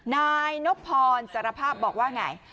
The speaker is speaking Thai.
นายนบพรสารภาพบอกว่าไง